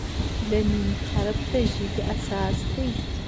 د "م" حرف د ژبې اساس دی.